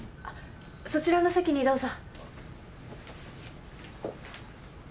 そちらの席にどうぞ。